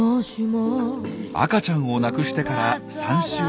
赤ちゃんを亡くしてから３週間後。